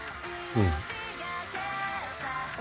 うん。